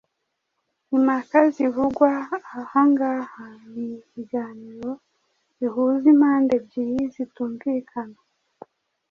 Impaka zivugwa aha ngaha ni ibiganiro bihuza impande ebyiri zitumvikana